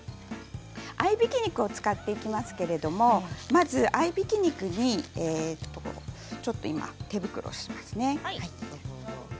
合いびき肉を使っていきますけれどまずは合いびき肉にちょっと今、手袋をしますね。